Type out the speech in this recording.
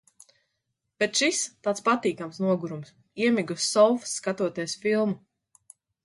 Bet šis tāds patīkams nogurums. Iemigu uz sofas, skatoties filmu.